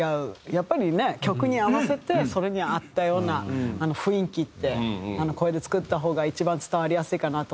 やっぱりね曲に合わせてそれに合ったような雰囲気って声で作った方が一番伝わりやすいかなと思って。